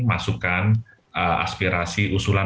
masukan aspirasi usulan